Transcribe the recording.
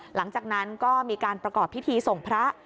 หลังจากนั้นก็มีการประกอบพิธีส่งพระ